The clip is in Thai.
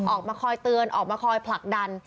ออกมาคอยเตือนออกมาคอยผลักดัน